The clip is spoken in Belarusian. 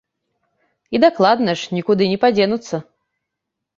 І дакладна ж, нікуды не падзенуцца.